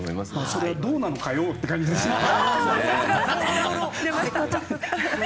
それはどうなのカヨウっていう感じですね。